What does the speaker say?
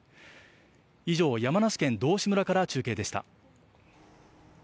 以上、山梨県道志村から中継でした。